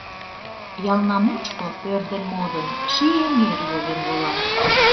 Ялна мучко, пӧрдын-модын, Ший эҥер йоген вола.